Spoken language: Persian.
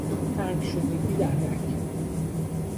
تنگ شدگی در رگ